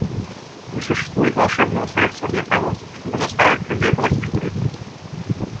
Не существует волшебного средства для того, чтобы заставить людей бросить курить.